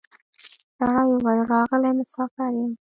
سړي وویل راغلی مسافر یم